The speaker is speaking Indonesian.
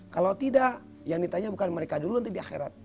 kalau tidak yang ditanya bukan mereka dulu nanti di akhirat